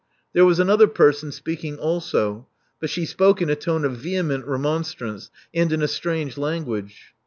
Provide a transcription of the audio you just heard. There was another person speaking also; but she spoke in a tone of veheQient remonstrance, and in a strange language.